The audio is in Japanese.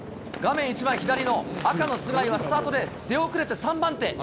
画面一番左の赤の須貝はスタートで出遅れて３番手。